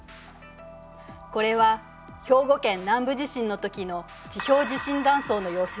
これは兵庫県南部地震のときの地表地震断層の様子よ。